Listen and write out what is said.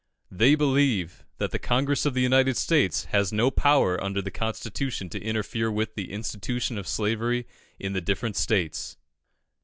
They believe that the Congress of the United States has no power under the Constitution to interfere with the institution of slavery in the different states.